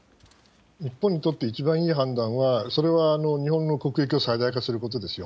日本にとって一番いい判断は、それは日本の国益を最大化することですよ。